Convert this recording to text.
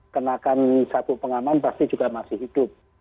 kenakan satu pengaman pasti juga masih hidup